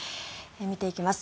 見ていきます。